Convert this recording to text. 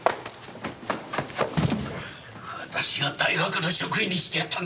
私が大学の職員にしてやったんだ。